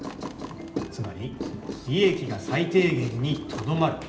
つまり利益が最低限にとどまる。